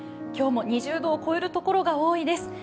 今日も２０度を超える所が多いです。